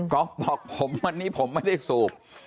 ก็บอกผมวันนี้ผมไม่ได้สูบ